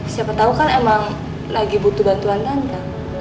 siapa tau kan emang lagi butuh bantuan nante